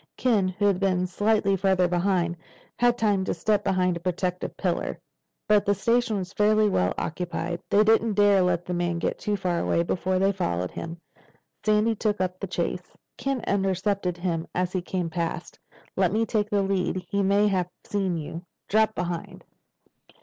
Ken, who had been slightly farther behind, had time to step behind a protective pillar. But the station was fairly well occupied. They didn't dare let the man get too far away before they followed him. Sandy took up the chase. Ken intercepted him as he came past. "Let me take the lead. He may have seen you. Drop behind."